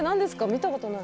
見たことない。